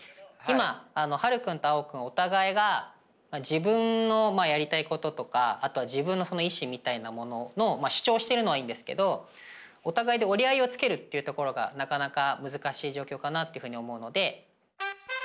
今晴君と碧君お互いが自分のやりたいこととかあとは自分のその意志みたいなものの主張してるのはいいんですけどお互いで折り合いをつけるっていうところがなかなか難しい状況かなっていうふうに思うので。